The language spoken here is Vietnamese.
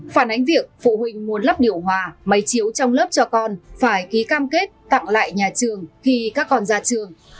phản ánh việc phụ huynh muốn lắp điều hòa máy chiếu trong lớp cho con phải ký cam kết tặng lại nhà trường khi các con ra trường